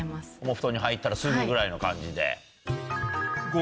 布団に入ったらすぐぐらいの感じで。